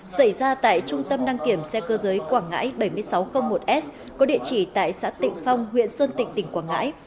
xảy ra tại trung tâm đăng kiểm xe cơ giới quảng ngãi bảy nghìn sáu trăm linh một s có địa chỉ tại xã tịnh phong huyện sơn tịnh tỉnh quảng ngãi